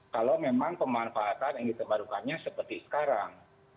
kalau memang pemanfaatan energi terbarukannya seperti sekarang